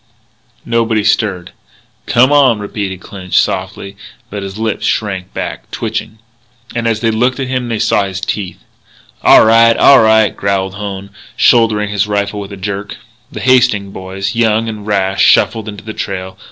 Nobody stirred. "Come on," repeated Clinch softly. But his lips shrank back, twitching. As they looked at him they saw his teeth. "All right, all right," growled Hone, shouldering his rifle with a jerk. The Hastings boys, young and rash, shuffled into the trail.